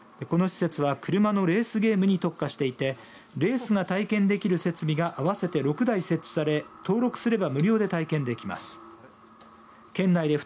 この施設は車のレースゲームに特化していてレースが体験できる設備が合わせて６台設置され登録すれば無料で体験できます。